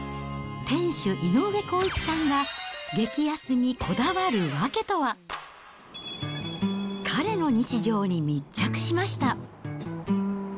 店主、井上康一さんが、激安にこだわる訳とは？彼の日常に密着しました。